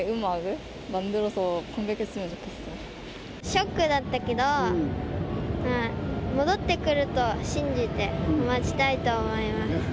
ショックだったけど、戻ってくると信じて待ちたいと思います。